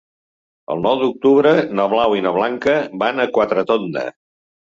El nou d'octubre na Blau i na Blanca van a Quatretonda.